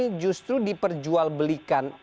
yang justru diperjualbelikan